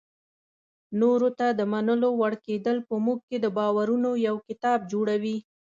نورو ته د منلو وړ کېدل په موږ کې د باورونو یو کتاب جوړوي.